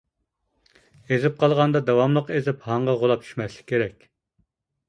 ئېزىپ قالغاندا داۋاملىق ئېزىپ ھاڭغا غۇلاپ چۈشمەسلىك كېرەك.